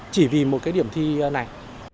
chỉ vì một cái điểm thi này